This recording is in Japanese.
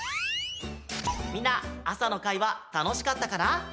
みんな朝の会はたのしかったかな？